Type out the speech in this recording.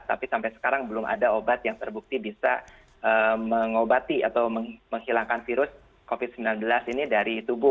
tapi sampai sekarang belum ada obat yang terbukti bisa mengobati atau menghilangkan virus covid sembilan belas ini dari tubuh